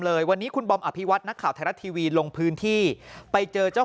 เลยวันนี้คุณบอมอภิวัตนักข่าวไทยรัฐทีวีลงพื้นที่ไปเจอเจ้า